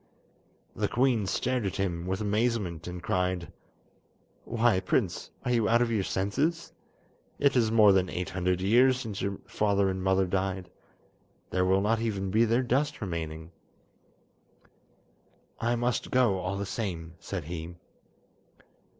The queen stared at him with amazement, and cried: "Why, prince, are you out of your senses? It is more than eight hundred years since your father and mother died! There will not even be their dust remaining." "I must go all the same," said he.